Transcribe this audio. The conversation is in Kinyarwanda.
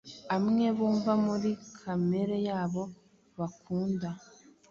amwe bumva muri kamere yabo bakunda.